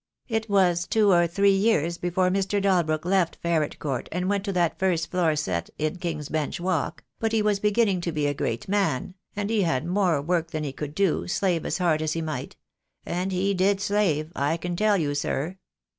It was two or three years be fore Mr. Dalbrook left Ferret Court and went to that first floor set in King's Bench Walk, but he was beginning to be a great man, and he had more work than he could do, slave as hard as he might; and he did slave, I can tell you, sir.